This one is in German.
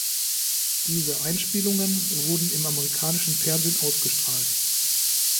Diese Einspielungen wurden im amerikanischen Fernsehen ausgestrahlt.